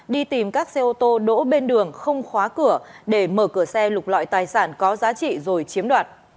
đi tìm các xe ô tô đỗ bên đường không khóa cửa để mở cửa xe lục loại tài sản có giá trị rồi chiếm đoạt